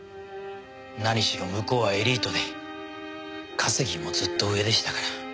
何しろ向こうはエリートで稼ぎもずっと上でしたから。